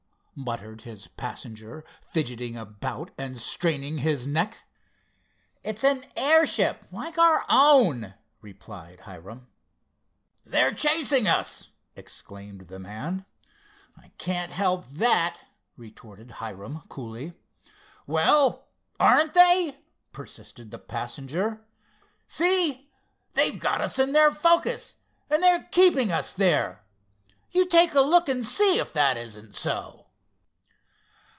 muttered his passenger, fidgeting about and straining his neck. "It's an airship, like our own," replied Hiram. "They're chasing us!" exclaimed the man. "I can't help that," retorted Hiram, coolly. "Well, aren't they?" persisted the passenger. "See! they've got us in their focus, and they're keeping us there. You take a look and see if that isn't so."